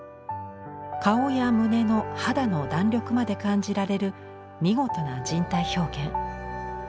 顔や胸の肌の弾力まで感じられる見事な人体表現。